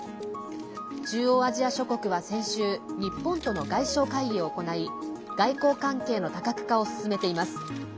中央アジア諸国は先週日本との外相会議を行い外交関係の多角化を進めています。